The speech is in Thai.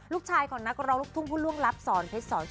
ลูกชายของนักรองลูกทุ่มผู้ล่วงรับสร